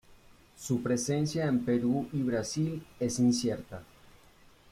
Su presencia en Perú y Brasil es incierta.